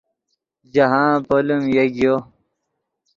جاہند پولیم یگیو